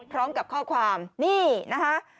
พร้อมกับข้อความนี่นะคะ